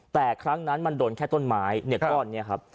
แต่ครั้งนั้นมันโดนแค่ต้นไม้เนี่ยก้อนนี้ครับ